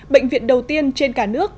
bệnh viện đầu tiên trên cả nước